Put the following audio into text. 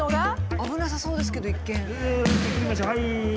危なさそうですけど一見。